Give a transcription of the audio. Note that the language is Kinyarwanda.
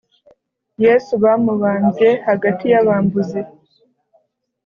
Yesu bamubambye hagati y’abambuzi